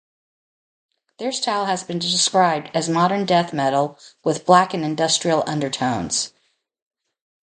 Their style has been described as modern death metal with black and industrial undertones.